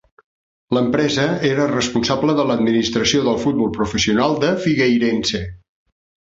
L'empresa era responsable de l'administració del futbol professional de Figueirense.